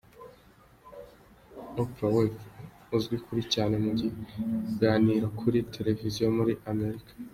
Oprah Winfrey, uzwi kuri cyane mu biganiro kuri Televiziyo muri Amerika.